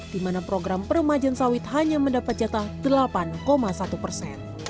di mana program peremajan sawit hanya mendapat jatah delapan satu persen